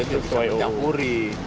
itu bisa mencampuri